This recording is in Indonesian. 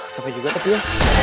kapan juga tapi ya